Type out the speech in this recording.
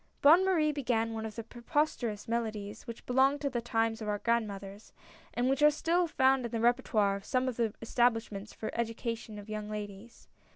Bonne Marie began one of those preposterous melo dies which belonged to the times of our grandmothers, and which are still found in the repertoire of some of the establishments for the education of young ladies.